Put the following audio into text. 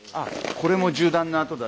これも銃弾の跡だ。